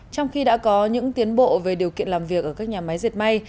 trong khi đã có những tiến bộ về điều kiện làm việc ở các nhà máy dệt may